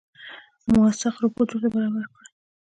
موثق رپوټ ورته برابر کړي.